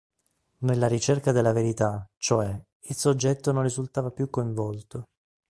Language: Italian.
Nella ricerca della verità, cioè, il soggetto non risultava più coinvolto.